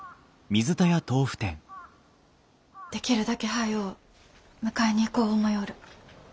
できるだけ早う迎えに行こう思ようる。